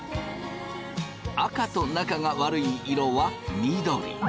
赤と仲が悪い色は緑。